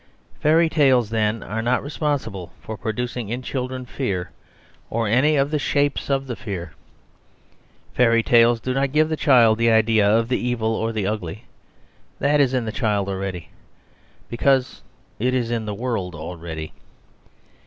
Fairy tales, then, are not responsible for producing in children fear, or any of the shapes of fear; fairy tales do not give the child the idea of the evil or the ugly; that is in the child already, because it is in the world already.